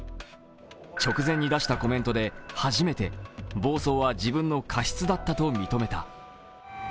直前に出したコメントで初めて暴走は自分の過失だったと認めた。